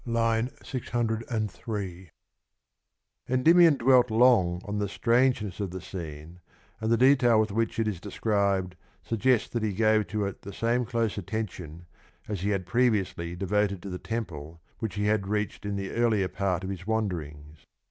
(II. 603) Endymion dwelt long on the strangeness of the scene, and the detail with which it is described suggests that he gave to it the same close attention as he had previously devoted to the temple which he had reached in the earlier part of his wanderings.